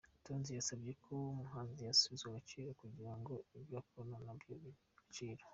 Tonzi yasabye ko umuhanzi yasubizwa agaciro kugira ngo ibyo akora nabyo bigire agaciro.